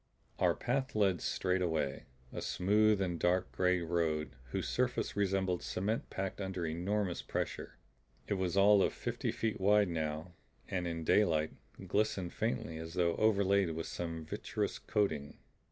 Our path led straight away, a smooth and dark gray road whose surface resembled cement packed under enormous pressure. It was all of fifty feet wide and now, in daylight, glistened faintly as though overlaid with some vitreous coating.